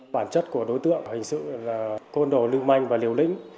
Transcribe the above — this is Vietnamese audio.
bản chất của đối tượng hình sự là côn đồ lưu manh và liều lĩnh